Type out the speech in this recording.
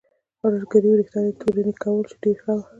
ارایشګرې یې وریښتان تورنۍ کول چې ډېر ښه و.